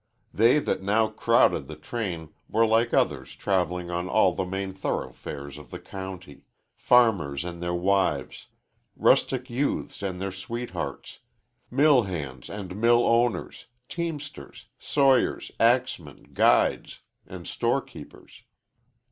They that now crowded the train were like others travelling on all the main thoroughfares of the county farmers and their wives, rustic youths and their sweethearts, mill hands and mill owners, teamsters, sawyers, axemen, guides, and storekeepers.